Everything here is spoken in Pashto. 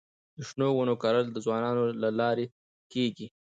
د شنو ونو کرل د ځوانانو له لارې کيږي.